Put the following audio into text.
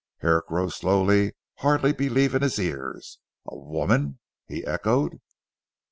Herrick rose slowly hardly believing his ears. "A woman?" he echoed.